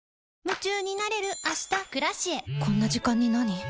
こんな時間になに？